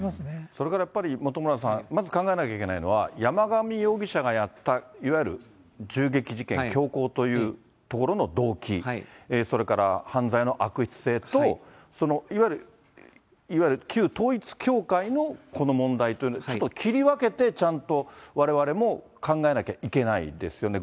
それからやっぱり、本村さん、まず考えなきゃいけないのは、山上容疑者がやった、いわゆる銃撃事件、凶行というところの動機、それから犯罪の悪質性と、そのいわゆる旧統一教会のこの問題と、ちょっと切り分けてちゃんとわれわれも考えなきゃいけないですよね。